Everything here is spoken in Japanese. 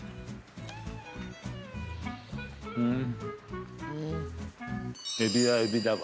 うん！